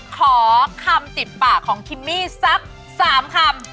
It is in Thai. ขอคำติดปากของคิมมี่สัก๓คำ